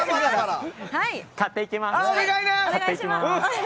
買っていきます！